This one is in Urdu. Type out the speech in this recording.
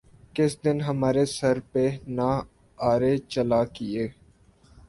کس دن ہمارے سر پہ نہ آرے چلا کیے